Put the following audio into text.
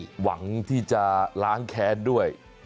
หวังที่จะล้างแค้นด้วย